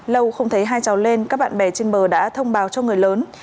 lâu không thấy hai cháu lên các bạn bè trên bờ đã thông báo cho người lớn